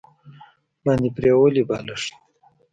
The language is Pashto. باندې پریولي بالښت